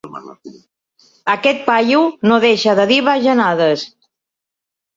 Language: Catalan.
Aquest paio no deixa de dir bajanades.